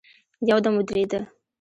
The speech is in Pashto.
يودم ودرېده.